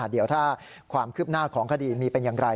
เดี๋ยวถ้าความคืบหน้าของคดีมีเป็นอย่างไร